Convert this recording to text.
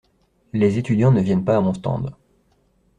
Les étudiants ne viennent pas à mon stand.